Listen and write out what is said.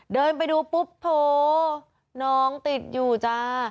เดินไปดูปุ๊บโถน้องติดอยู่จ้า